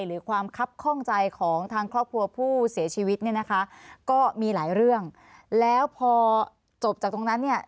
หรือความคับข้องใจของทางครอบครัวผู้เสียชีวิตเนี่ยนะคะก็มีหลายเรื่องแล้วพอจบจากตรงนั้นเนี่ย